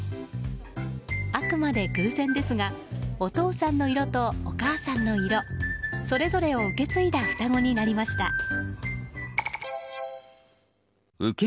あくまで偶然ですがお父さんの色とお母さんの色それぞれを受け継いだ双子になりました。